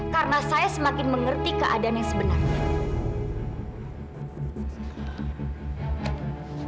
karena saya semakin mengerti keadaan yang sebenarnya